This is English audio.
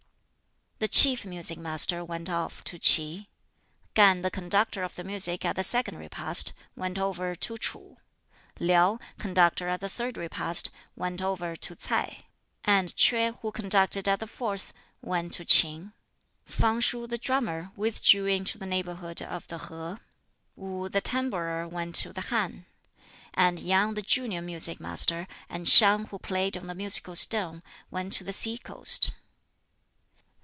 The chief music master went off to Ts'i. Kan, the conductor of the music at the second repast, went over to Ts'u. LiŠu, conductor at the third repast, went over to Ts'ai. And Kiueh, who conducted at the fourth, went to Ts'in. Fang shuh, the drummer, withdrew into the neighborhood of the Ho. Wu the tambourer went to the Han. And Yang the junior music master, and Siang who played on the musical stone, went to the sea coast.